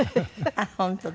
あっ本当だ。